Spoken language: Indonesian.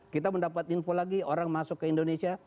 kita mendapat info lagi orang masuk ke indonesia